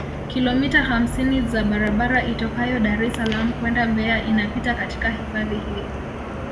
Kilomita hamsini za barabara itokayo Dar es Salaam kwenda Mbeya inapita katika hifadhi hii